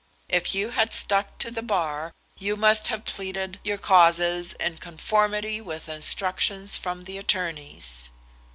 If you had stuck to the Bar you must have pleaded your causes in conformity with instructions from the attorneys."